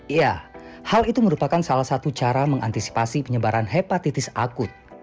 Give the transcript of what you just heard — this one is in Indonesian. iya hal itu merupakan salah satu cara mengantisipasi penyebaran hepatitis akut